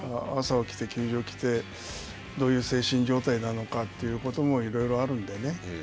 朝起きて、球場に来てどういう精神状態なのかということもいろいろあるんでね